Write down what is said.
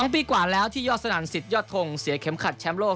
ปีกว่าแล้วที่ยอดสนั่นสิทธยอดทงเสียเข็มขัดแชมป์โลก